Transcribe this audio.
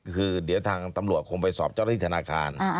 คือเดี๋ยวทางตำรวจคงไปสอบเจ้าหน้าที่ธนาคาร